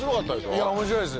いや面白いです！